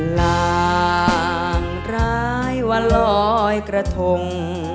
หลังร้ายวันลอยกระทง